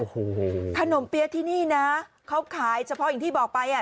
โอ้โหขนมเปี๊ยะที่นี่นะเขาขายเฉพาะอย่างที่บอกไปอ่ะ